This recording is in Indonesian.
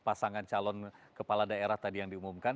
pasangan calon kepala daerah tadi yang diumumkan